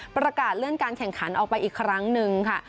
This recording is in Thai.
ประกาศเลื่อนการแข่งขันออกไปอีกครั้งหนึ่งค่ะ